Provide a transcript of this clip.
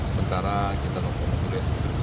sementara kita nunggu ya